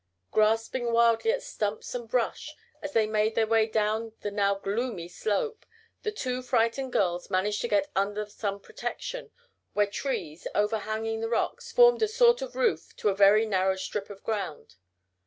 Grasping wildly at stumps and brush, as they made their way down the now gloomy slope, the two frightened girls managed to get under some protection where trees, overhanging the rocks, formed a sort of roof to a very narrow strip of ground.